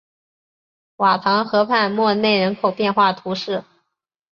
瓦唐河畔默内人口变化图示